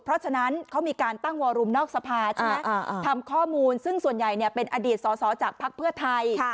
เพราะฉะนั้นเขามีการตั้งวอรุมนอกสภาใช่ไหมทำข้อมูลซึ่งส่วนใหญ่เป็นอดีตสอสอจากภักดิ์เพื่อไทย